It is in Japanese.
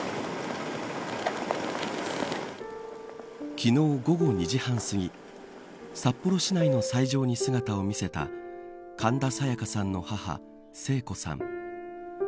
昨日午後２時半すぎ札幌市内の斎場に姿を見せた神田沙也加さんの母、聖子さん。